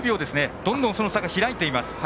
どんどん差が開いています。